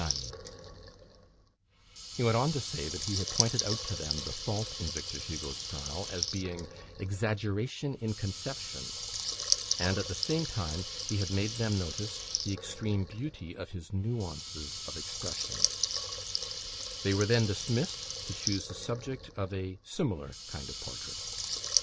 He went on to say that he had pointed out to them the fault in Victor Hugo's style as being exaggeration in conception, and, at the same time, he had made them notice the extreme beauty of his "nuances" of expression. They were then dismissed to choose the subject of a similar kind of portrait.